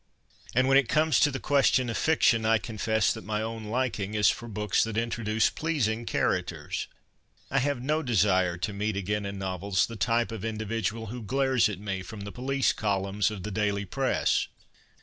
And when it comes to the question of fiction, I confess that my own liking is for books that intro duce pleasing characters. I have no desire to meet again in novels the type of individual who glares at me from the ' police columns ' of the daily press.